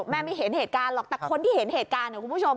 ไม่เห็นเหตุการณ์หรอกแต่คนที่เห็นเหตุการณ์เนี่ยคุณผู้ชม